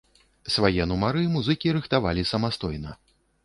Свае нумары музыкі рыхтавалі самастойна.